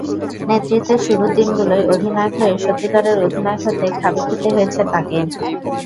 নেতৃত্বের শুরুর দিনগুলোয় অধিনায়ক হয়েও সত্যিকারের অধিনায়ক হতে খাবি খেতে হয়েছে তাঁকে।